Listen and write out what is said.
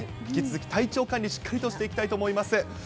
引き続き、体調管理、しっかりとしていきたいと思います。